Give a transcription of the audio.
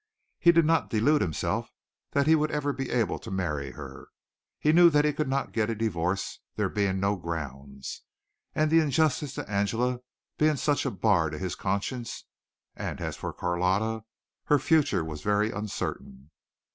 He did not delude himself that he would ever be able to marry her. He knew that he could not get a divorce, there being no grounds, and the injustice to Angela being such a bar to his conscience; and as for Carlotta, her future was very uncertain.